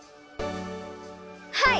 はい！